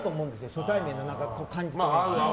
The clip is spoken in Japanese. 初対面の感じというか。